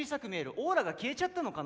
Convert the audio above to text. オーラが消えちゃったのかな。